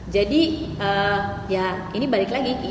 jadi ya ini balik lagi